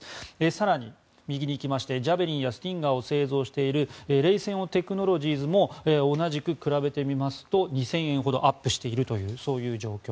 更に右に行きましてジャベリンやスティンガーを製造しているレイセオン・テクノロジーズ社同じ比べてみますと２０００円ほどアップしているという状況。